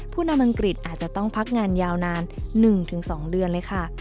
ผู้นำอังกฤษอาจจะต้องพักงานยาวนาน๑๒เดือนเลยค่ะ